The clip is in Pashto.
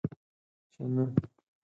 چې نه!